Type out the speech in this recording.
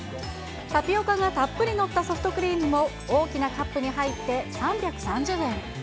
タピオカがたっぷり載ったソフトクリームも、大きなカップに入って３３０円。